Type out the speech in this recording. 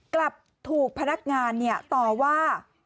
กลับถูกพนักงานต่อว่า